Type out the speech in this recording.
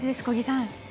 小木さん。